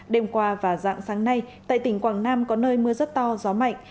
đêm qua và dạng sáng nay tại tỉnh quảng nam có nơi mưa rất to gió mạnh